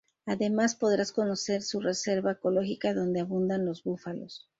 Además podrás conocer su reserva ecológica donde abundan los búfalos.